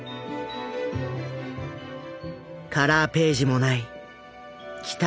カラーページもない期待